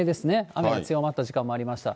雨強まった時間もありました。